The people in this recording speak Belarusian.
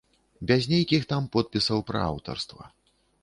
Без нейкіх там подпісаў пра аўтарства.